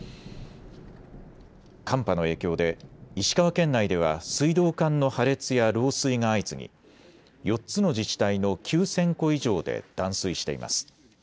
寒波の影響で石川県内では水道管の破裂や漏水が相次ぎ４つの自治体の９０００戸以上で断水しています。